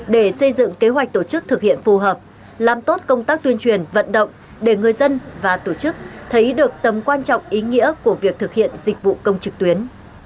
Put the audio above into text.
để xây dựng kế hoạch tổ chức thực hiện phù hợp làm tốt công tác tuyên truyền vận động để người dân và tổ chức thấy được tầm quan trọng ý nghĩa của việc thực hiện dịch vụ công trực tuyến